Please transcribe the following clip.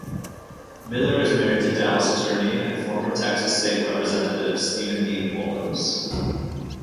Miller is married to Dallas attorney and former Texas State Representative Steven D. Wolens.